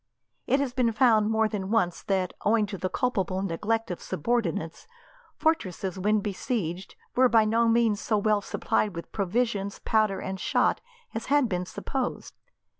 It has been found more than once that, owing to the culpable neglect of subordinates, fortresses when besieged were by no means so well supplied with provisions, powder and shot, as had been supposed.